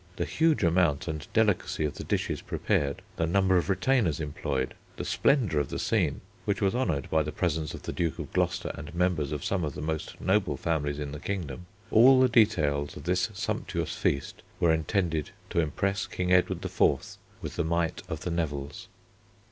The huge amount and delicacy of the dishes prepared, the number of retainers employed, the splendour of the scene, which was honoured by the presence of the Duke of Gloucester and members of some of the most noble families in the kingdom, all the details of this sumptuous feast, were intended to impress King Edward IV. with the might of the Nevilles.